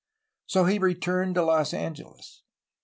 So he returned to Los Angeles.